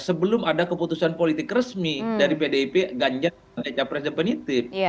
sebelum ada keputusan politik resmi dari pdip ganjar sebagai capres definitif